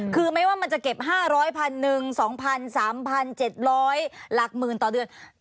คือไม่ว่ามันจะเก็บ๕๐๐๐๐๐๑๐๐๐๒๐๐๐๓๐๐๐๗๐๐ละหมื่นต่อเดือน